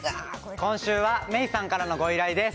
今週は、めいさんからのご依頼です。